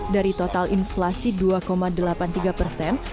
dari total inflasi dua delapan puluh tiga persen